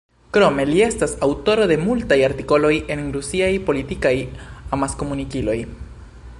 Krome, li estas aŭtoro de multaj artikoloj en rusiaj politikaj amaskomunikiloj.